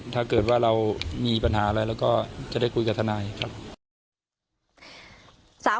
ถ้าเกิดว่าเรามีปัญหาอะไรเราก็จะได้คุยกับทนายครับ